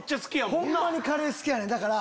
ホンマにカレー好きやねん。